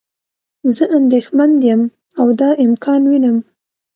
زه اندیښمند یم او دا امکان وینم.